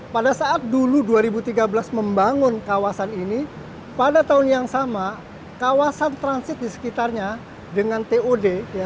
pada saat dulu dua ribu tiga belas membangun kawasan ini pada tahun yang sama kawasan transit di sekitarnya dengan tod